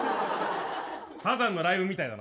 サザンのライブみたいだな。